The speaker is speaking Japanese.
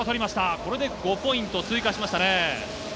これで５ポイント、追加しましたね。